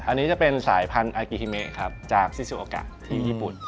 อันนี้จะเป็นสายพันธุ์อากิฮิเมครับจากซิซูโอกะที่ญี่ปุ่น